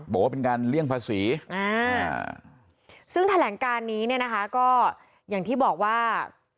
บอกว่าเป็นการเลี่ยงภาษีซึ่งแถลงการนี้เนี่ยนะคะก็อย่างที่บอกว่า